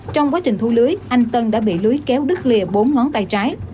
trong quá trình thu lưới anh tân đã bị lưới kéo đứt lìa bốn ngón tay trái